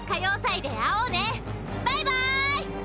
バイバイ。